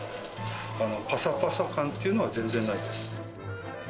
パサパサ感っていうのは全然ないです。